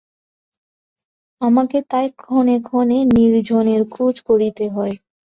আমাকে তাই ক্ষণে ক্ষণে নির্জনের খোঁজ করিতে হয়।